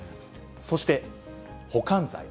そして保管罪。